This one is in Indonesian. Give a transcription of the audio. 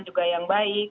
juga yang baik